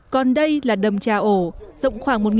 còn hồ mỹ bình định tỉnh bình định tỉnh bình định